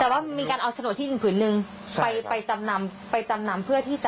แต่ว่ามีการเอาชะนวนที่หนึ่งขึ้นหนึ่งไปจำนำไปจำนำเพื่อที่จะ